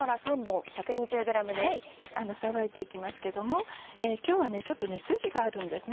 さばいて行きますけども今日はちょっとねスジがあるんです